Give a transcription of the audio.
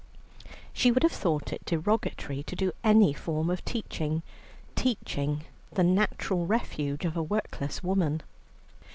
She would have thought it derogatory to do any form of teaching teaching, the natural refuge of a workless woman.